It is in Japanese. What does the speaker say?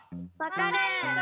わかる。